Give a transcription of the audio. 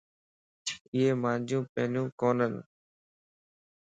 ايي مانجيون پينيون ڪونين